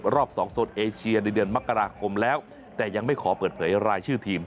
รอบสองโซนเอเชียในเดือนมกราคมแล้วแต่ยังไม่ขอเปิดเผยรายชื่อทีม